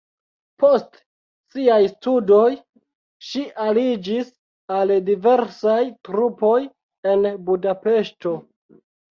Post siaj studoj ŝi aliĝis al diversaj trupoj en Budapeŝto.